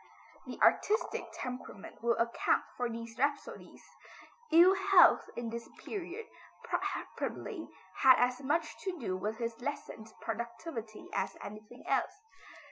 The artistic temperament will account for these rhapsodies. Ill health in this period probably had as much to do with his lessened productivity as anything else.